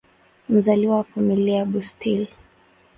Mzaliwa wa Familia ya Bustill.